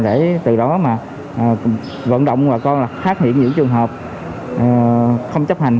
để từ đó vận động bà con phát hiện những trường hợp không chấp hành